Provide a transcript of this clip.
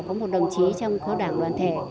có một đồng chí trong khối đảng đoàn thể